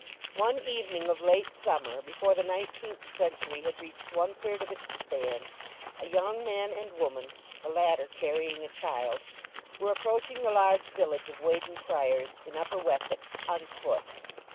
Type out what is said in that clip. One evening of late summer, before the nineteenth century had reached one third of its span, a young man and woman, the latter carrying a child, were approaching the large village of Weydon Priors, in Upper Wessex, on foot.